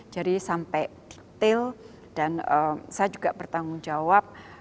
jadi sampai detail dan saya juga bertanggung jawab